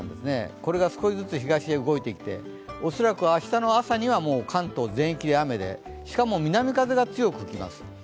これが少しずつ東へ動いていておそらく明日の朝には関東全域で雨で、しかも南風が強く吹きます。